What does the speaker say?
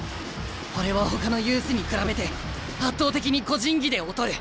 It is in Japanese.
俺はほかのユースに比べて圧倒的に個人技で劣る。